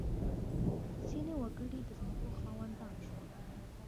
• ځینې وګړي د ځمکو خاوندان شول.